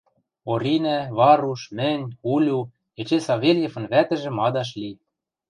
Оринӓ, Варуш, мӹнь, Улю, эче Савельевӹн вӓтӹжӹ мадаш ли.